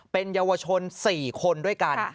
เป็นเยาวชน๔คนด้วยกัน